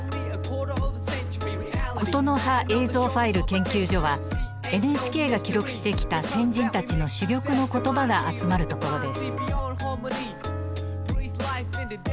「言の葉映像ファイル研究所」はＮＨＫが記録してきた先人たちの珠玉の言葉が集まるところです。